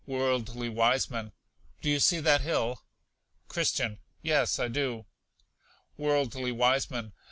Worldly Wiseman. Do you see that hill? Christian. Yes, I do. Worldly Wiseman.